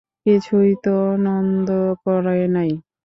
কিছুই তো নন্দ করে নাই।